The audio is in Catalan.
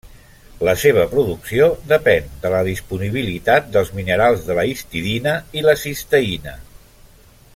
La seva producció depèn de la disponibilitat dels minerals de la histidina i la cisteïna.